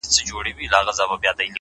دا اوبه اورونو کي راونغاړه’